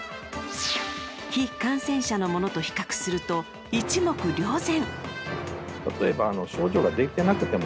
非感染者のものと比較すると一目瞭然。